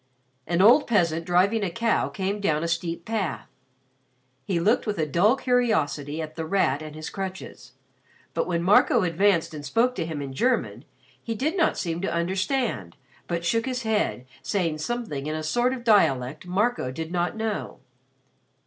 An old peasant driving a cow came down a steep path. He looked with a dull curiosity at The Rat and his crutches; but when Marco advanced and spoke to him in German, he did not seem to understand, but shook his head saying something in a sort of dialect Marco did not know.